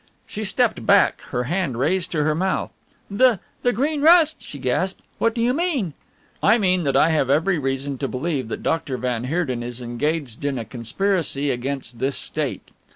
She stepped back, her hand raised to her mouth. "The the Green Rust!" she gasped. "What do you mean?" "I mean that I have every reason to believe that Doctor van Heerden is engaged in a conspiracy against this State.